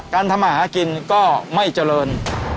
ทำมาหากินก็ไม่เจริญ